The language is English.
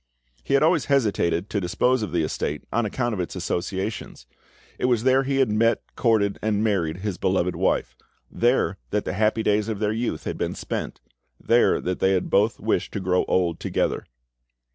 He had always hesitated to dispose of the estate on account of its associations; it was there he had met, courted, and married his beloved wife; there that the happy days of their youth had been spent; there that they both wished to grow old together.